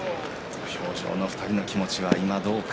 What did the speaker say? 土俵上の２人の気持ちは今、どうか。